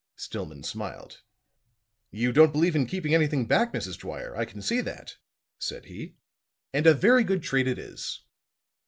Stillman smiled. "You don't believe in keeping anything back, Mrs. Dwyer, I can see that," said he. "And a very good trait it is."